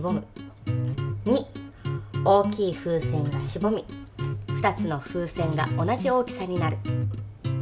２大きい風船がしぼみ２つの風船が同じ大きさになる。